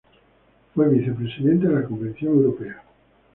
Fue vicepresidente de la Convención Europea.